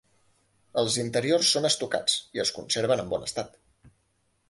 Els interiors són estucats i es conserven en bon estat.